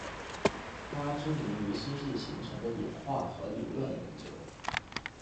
她知名于星系形成和演化的理论研究。